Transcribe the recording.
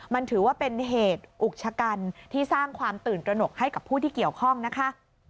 มันถือว่าเป็นเหตุอุกชะกันที่สร้างความตื่นตระหนกให้กับผู้ที่เกี่ยวข้องนะคะ